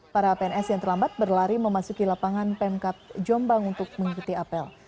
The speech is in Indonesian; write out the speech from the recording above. para pns yang terlambat berlari memasuki lapangan pemkap jombang untuk mengikuti apel